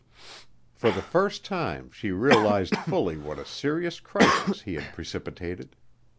For the first time she realized fully what a serious crisis he had precipitated.